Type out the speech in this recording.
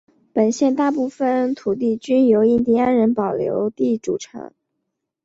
本县大部份土地均由印第安人保留地组成。